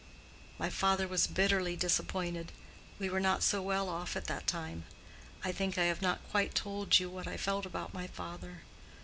My father was bitterly disappointed: we were not so well off at that time. I think I have not quite told you what I felt about my father.